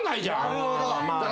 なるほど。